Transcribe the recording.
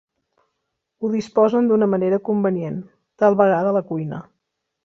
Ho disposen d'una manera convenient, tal vegada a la cuina.